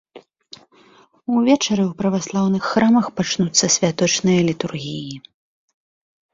Увечары ў праваслаўных храмах пачнуцца святочныя літургіі.